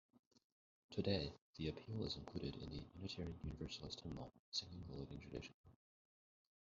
Today, the appeal is included in the Unitarian Universalist hymnal "Singing the Living Tradition".